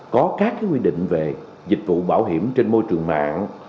có các quy định về dịch vụ bảo hiểm trên môi trường mạng